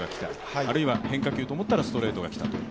あるいは変化球と思ったらストレートが来たと。